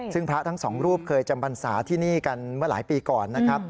ซึ่งพระทั้งสองรูปเคยจำบรรษาที่นี่กันเมื่อหลายปีก่อนนะครับ